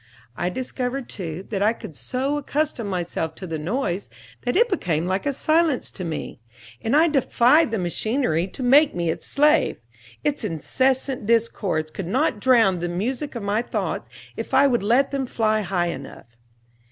I discovered, too, that I could so accustom myself to the noise that it became like a silence to me. And I defied the machinery to make me its slave. Its incessant discords could not drown the music of my thoughts if I would let them fly high enough.